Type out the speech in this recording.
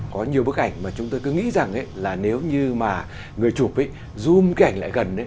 có nhiều bức ảnh mà chúng tôi cứ nghĩ rằng là nếu như mà người chụp zum cái ảnh lại gần ấy